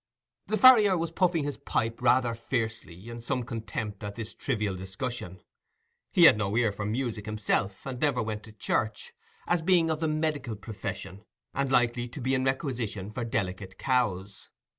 The farrier was puffing his pipe rather fiercely, in some contempt at this trivial discussion. He had no ear for music himself, and never went to church, as being of the medical profession, and likely to be in requisition for delicate cows.